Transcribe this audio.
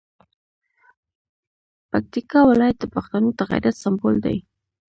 پکتیکا ولایت د پښتنو د غیرت سمبول دی.